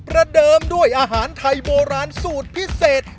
ระเดิมด้วยอาหารไทยโบราณสูตรพิเศษ